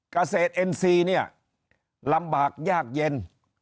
กระเศษอินซีนี่ลำบากยากเย็น